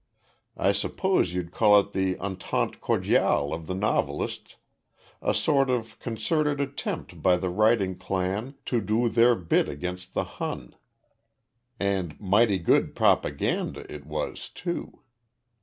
I suppose you'd call it the entente cordiale of the novelists, a sort of concerted attempt by the writing clan to do their bit against the Hun. And mighty good propaganda it was, too....